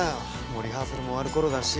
もうリハーサルも終わるころだし。